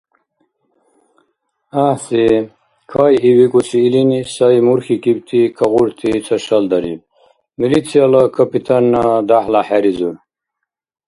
— Гӏяхӏси. Кайи, — викӏуси илини сай мурхьикибти кагъурти цашалдариб. Милицияла капитанна дяхӏла хӏеризур.